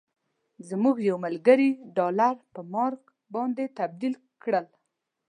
زموږ یو ملګري ډالر په مارک باندې تبدیل کړل.